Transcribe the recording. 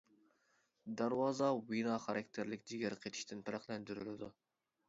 دەرۋازا ۋېنا خاراكتېرلىك جىگەر قېتىشتىن پەرقلەندۈرۈلىدۇ.